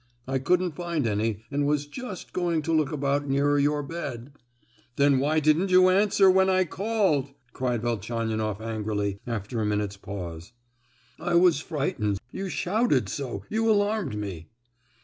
I couldn't find any, and was just going to look about nearer your bed——" "Then why didn't you answer when I called?" cried Velchaninoff angrily, after a minute's pause. "I was frightened; you shouted so, you alarmed me!"